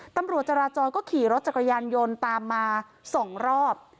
ตำรวจจราจรก็ขี่รถจักรยานยนต์ตามมา๒รอบ